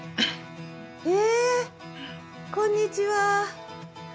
へえこんにちは。